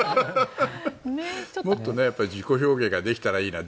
もっと自己表現ができたらいいな。